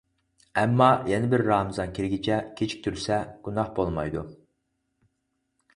ئەمما يەنە بىر رامىزان كىرگىچە كېچىكتۈرسە گۇناھ بولمايدۇ.